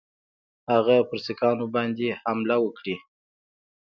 هغه پر سیکهانو باندي حمله وکړي.